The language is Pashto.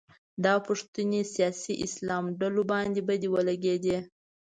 دا پوښتنې سیاسي اسلام ډلو باندې بدې ولګېدې